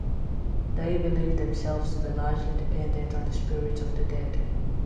They believe themselves to be largely dependent on the spirits of the dead.